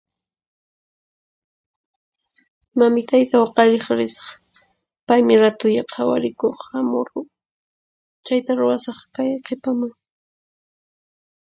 Mamitayta huqariq risaq. Paymi ratulla qhawarikuq hamurqun. Chayta ruwasaq kay qhipaman.